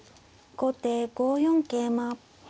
後手５四桂馬。